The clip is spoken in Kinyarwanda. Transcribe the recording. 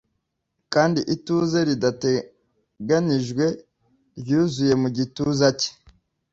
Kandi ituze ridateganijwe ryuzuye mu gituza cye.